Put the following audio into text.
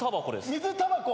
水たばこ。